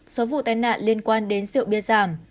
số vụ tai nạn liên quan đến rượu bia giảm